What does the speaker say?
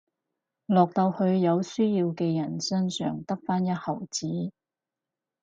落到去有需要嘅人身上得返一毫子